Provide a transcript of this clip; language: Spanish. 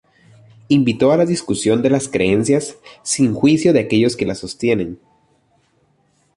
Invito a la discusión de las creencias sin juicio de aquellos que las sostienen.